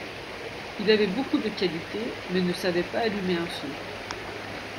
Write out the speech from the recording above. Il avait beaucoup de qualités mais ne savait pas allumer un feu.